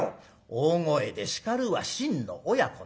大声で叱るは真の親子なり。